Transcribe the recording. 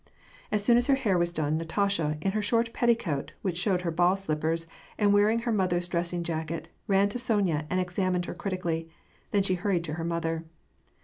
As soon as her hair was done, Natasha, in her short petti coat, which showed her ball slippers, and wearing her mother's dressing jacket, ran to Sonya and examined her critically; then she hurried to her mother.